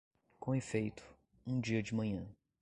Com efeito, um dia de manhã